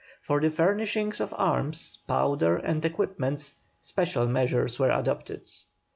For the furnishing of arms, powder and equipments, special measures were adopted.